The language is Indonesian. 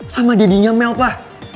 sama dadinya mel pak